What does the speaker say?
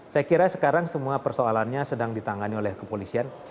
saya kira sekarang semua persoalannya sedang ditangani oleh kepolisian